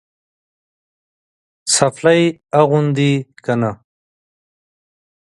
څپلۍ اغوندې که نه؟